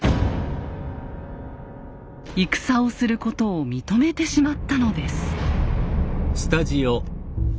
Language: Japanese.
戦をすることを認めてしまったのです。